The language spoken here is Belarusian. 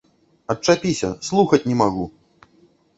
Адчапіся, слухаць не магу!